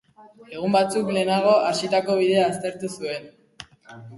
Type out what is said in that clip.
Egun batzuk lehenago hasitako bidea aztertu zuen.